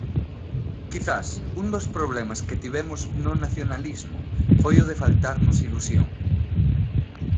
Quizás un dos problemas que tivemos no nacionalismo foi o de faltarnos ilusión.